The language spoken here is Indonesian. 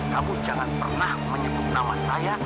kamu jangan pernah menyebut nama saya